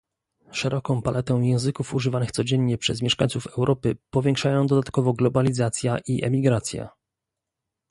Szeroką paletę języków używanych codziennie przez mieszkańców Europy powiększają dodatkowo globalizacja i emigracja